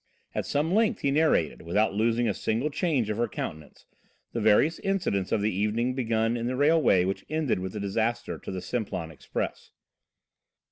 At some length he narrated without losing a single change of her countenance, the various incidents of the evening begun in the railway which ended with the disaster to the Simplon Express.